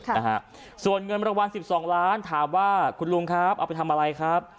นะฮะส่วนเงินรางวัลสิบสองล้านถามว่าคุณลุงครับเอาไปทำอะไรครับ